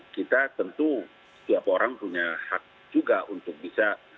kita tentu setiap orang punya hak juga untuk bisa